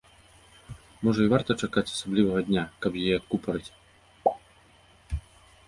Можа і варта чакаць асаблівага дня, каб яе адкупарыць?